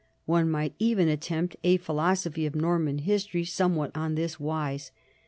One might even attempt a philoso phy of Norman history somewhat on this wise.